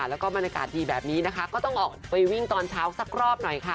แล้วก็บรรยากาศดีแบบนี้นะคะก็ต้องออกไปวิ่งตอนเช้าสักรอบหน่อยค่ะ